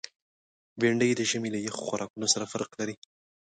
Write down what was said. بېنډۍ د ژمي له یخو خوراکونو سره فرق لري